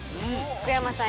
福山さん